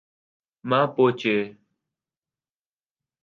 Mapuche